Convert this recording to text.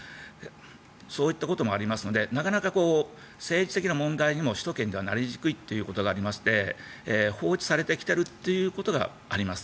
そういったこともありますのでなかなか政治的な問題にも首都圏ではなりにくいということがありまして放置されてきているということがあります。